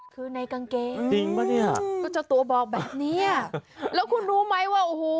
คือในกางเกงตัวเจ้าตัวบอกแบบนี้แล้วคุณรู้ไหมว่าโอ้โห